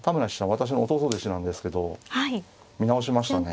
私の弟弟子なんですけど見直しましたね。